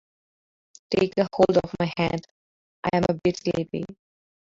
Take a hold of my hand, I'm a bit sleepy.